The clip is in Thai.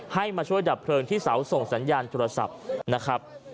มาช่วยดับเพลิงที่เสาส่งสัญญาณโทรศัพท์นะครับ